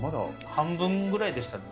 半分ぐらいでしたね。